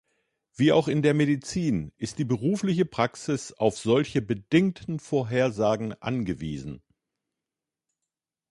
Wie auch in der Medizin ist die berufliche Praxis auf solche bedingten Vorhersagen angewiesen.